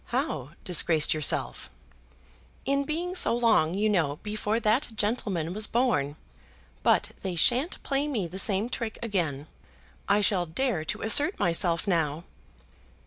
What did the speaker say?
"How disgraced yourself?" "In being so long, you know, before that gentleman was born. But they shan't play me the same trick again. I shall dare to assert myself, now.